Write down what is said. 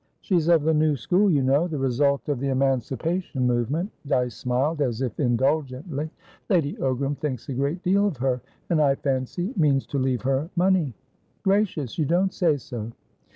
She's of the new school, you know; the result of the emancipation movement." Dyce smiled, as if indulgently. "Lady Ogram thinks a great deal of her, and, I fancy, means to leave her money." "Gracious! You don't say so!"